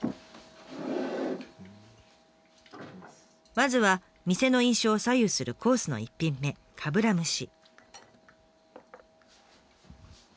まずは店の印象を左右するコースの１品目かぶら蒸し。